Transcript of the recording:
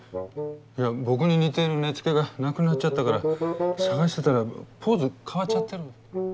いや僕に似ている根付がなくなっちゃったから捜してたらポーズ変わっちゃってるの。